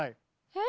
え？